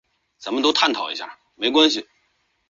叶子循于顺治四年中式丁亥科进士。